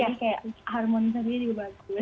jadi kayak harmonisasinya juga bagus